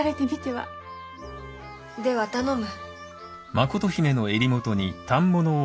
では頼む。